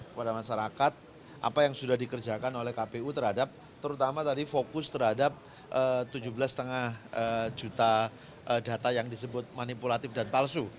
kepada masyarakat apa yang sudah dikerjakan oleh kpu terhadap terutama tadi fokus terhadap tujuh belas lima juta data yang disebut manipulatif dan palsu